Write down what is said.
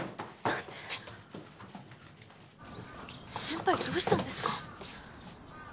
先輩どうしたんですか？